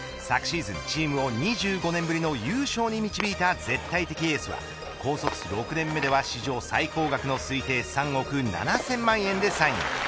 昨シーズン、チームを２５年ぶりの優勝に導いた絶対的エースは高卒６年目では史上最高額の推定３億７０００万円でサイン。